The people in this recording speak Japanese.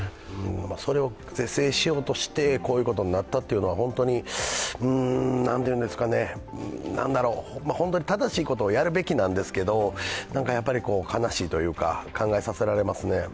それを是正しようとしてこういうことになったというのは、何だろう、正しいことをやるべきなんですけど、やっぱり悲しいというか、考えさせれますね。